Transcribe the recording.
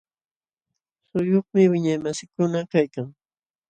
Suquyuqmi wiñaymasiikuna kaykan.